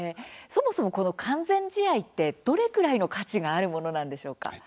そもそもこの完全試合って、どれらいの価値があるものなんでしょうか。